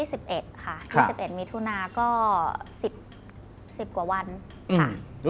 สุดท้าย